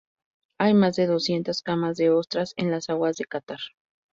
Hay más de doscientas camas de ostras en las aguas de Catar.